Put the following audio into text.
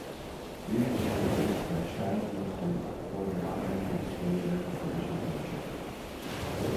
Reid was replaced by Chaz Mostert before the Wanneroo Raceway round of the championship.